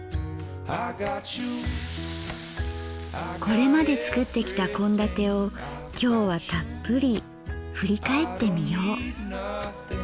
これまで作ってきた献立を今日はたっぷり振り返ってみよう。